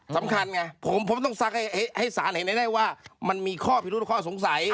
สำคัญไงผมต้องซักให้สารเห็นให้ได้ว่ามันมีข้อพิรุธข้อสงสัย